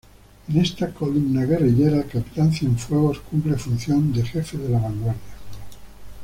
En esta columna guerrillera, el capitán Cienfuegos cumple función de jefe de la vanguardia.